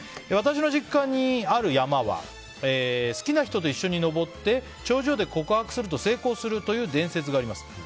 私の実家にある山は好きな人と一緒に登って頂上で告白すると成功するという伝説があります。